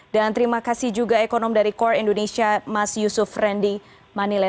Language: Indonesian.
dan terima kasih juga ekonom dari kor indonesia mas yusuf randy manile